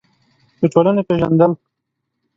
د ټولنې پېژندل: